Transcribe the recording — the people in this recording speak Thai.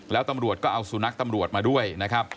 แล้วตำรวจก็เอาสุนัขตำรวจมาด้วยนะครับ